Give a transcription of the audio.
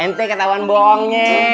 ente ketahuan bohongnya